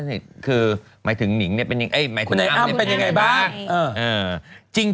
หมายถึงอ้ำเป็นยังไงบ้าง